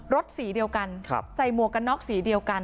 สีเดียวกันใส่หมวกกันน็อกสีเดียวกัน